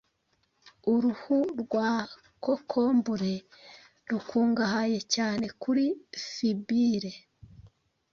Uruhu rwa kokombure rukungahaye cyane kuri fibure,